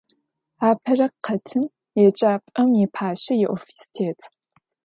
Апэрэ къатым еджапӏэм ипащэ иофис тет.